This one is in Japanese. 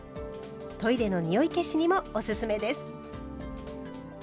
トイレの臭い消しにもおすすめです。